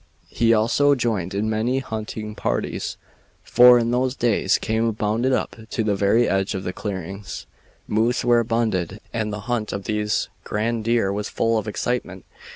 He also joined in many hunting parties, for in those days game abounded up to the very edge of the clearings. Moose were abundant, and the hunt of these grand deer was full of excitement.